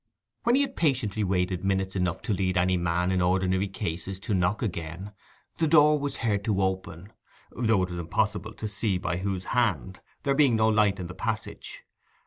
When he had patiently waited minutes enough to lead any man in ordinary cases to knock again, the door was heard to open, though it was impossible to see by whose hand, there being no light in the passage.